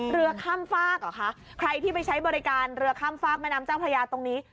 เรือข้ามฟากเหรอคะใครที่ไปใช้บริการเรือข้ามฝากแม่น้ำเจ้าพระยาตรงนี้